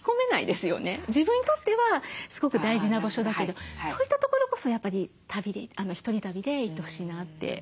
自分にとってはすごく大事な場所だけどそういった所こそやっぱり１人旅で行ってほしいなって。